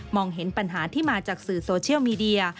เห็นปัญหาที่มาจากสื่อโซเชียลมีเดีย